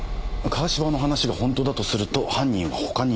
川芝の話が本当だとすると犯人は他にいる。